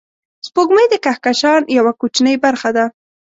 سپوږمۍ د کهکشان یوه کوچنۍ برخه ده